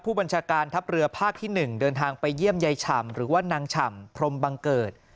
ผู้บัญชาการทัพเรือภาคที่๑เดินทางไปเยี่ยมยายฉ่ำหรือว่านางฉ่ำพรมบังเกิด